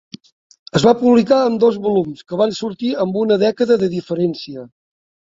Es va publicar en dos volums que van sortir amb una dècada de diferència.